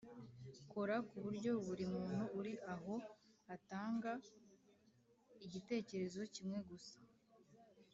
Kora ku buryo buri muntu uri aho atanga igitekerezo kimwe gusa